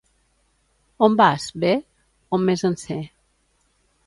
—On vas, bé? —On més en sé.